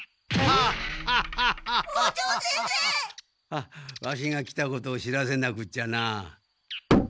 あっワシが来たことを知らせなくっちゃな。